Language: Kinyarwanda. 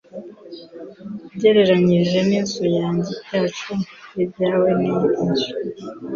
Ugereranije n'inzu yacu, ibyawe ni inzu.